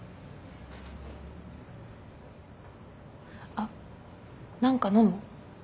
あっ何か飲む？